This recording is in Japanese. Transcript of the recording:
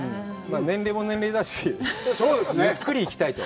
年齢も年齢だし、ゆっくり行きたいと。